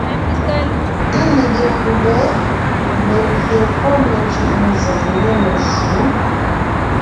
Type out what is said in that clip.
Té lege gùbé (melyè pɔ́ mecʉ̀ʼ nzèm) nê meshǔ.